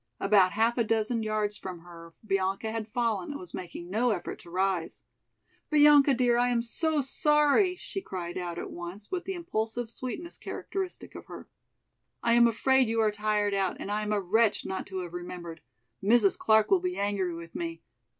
About half a dozen yards from her, Bianca had fallen and was making no effort to rise. "Bianca dear, I am so sorry," she cried out at once with the impulsive sweetness characteristic of her. "I am afraid you are tired out and I am a wretch not to have remembered! Mrs. Clark will be angry with me.